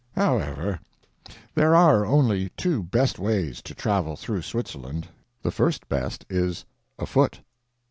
However, there are only two best ways to travel through Switzerland. The first best is afoot.